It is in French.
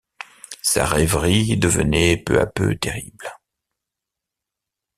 Sa rêverie devenait peu à peu terrible.